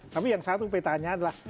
tapi yang satu petanya adalah